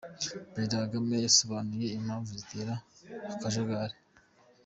Perezida Kagame yasobanuye impamvu zitera akajagari!.